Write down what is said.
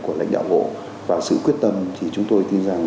của lãnh đạo bộ và sự quyết tâm thì chúng tôi tin rằng